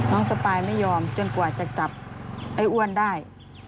สปายไม่ยอมจนกว่าจะจับไอ้อ้วนได้